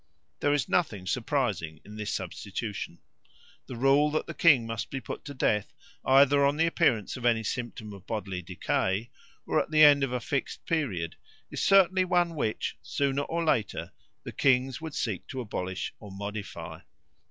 There is nothing surprising in this substitution. The rule that the king must be put to death either on the appearance of any symptom of bodily decay or at the end of a fixed period is certainly one which, sooner or later, the kings would seek to abolish or modify.